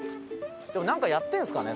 でもなんかやってるんですかね？